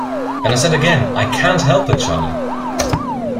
And I said again, "I can't help it, Charley."